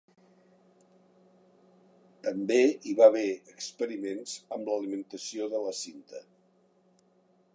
També hi va haver experiments amb l'alimentació de la cinta.